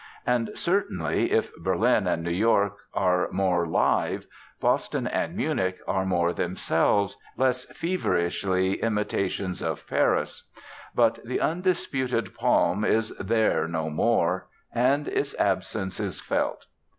And certainly, if Berlin and New York are more 'live,' Boston and Munich are more themselves, less feverishly imitations of Paris. But the undisputed palm is there no more; and its absence is felt.